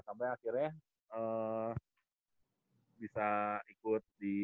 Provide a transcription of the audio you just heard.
sampai akhirnya bisa ikut di